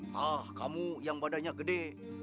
hah kamu yang badannya gede